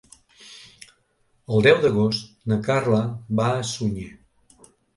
El deu d'agost na Carla va a Sunyer.